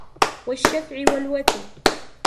وَالشَّفْعِ وَالْوَتْرِ